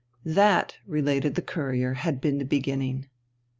That, related the Courier, had been the beginning.